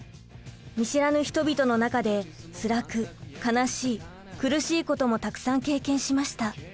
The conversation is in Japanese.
見知らぬ人々の中でつらく悲しい苦しいこともたくさん経験しました。